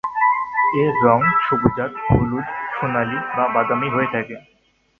এর রঙ সবুজাভ হলুদ, সোনালি বা বাদামি হলুদ হয়ে থাকে।